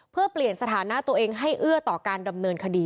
เพื่อเปลี่ยนสถานะตัวเองให้เอื้อต่อการดำเนินคดี